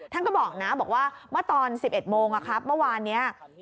ท่านก็บอกนะบอกว่าว่าว่าตอน๑๑โมงอะครับเมื่อวานเนี้ย